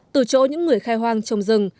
từ chỗ những người khai hoang trồng rừng